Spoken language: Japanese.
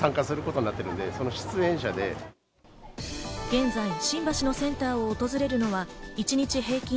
現在、新橋のセンターを訪れるのは、一日平均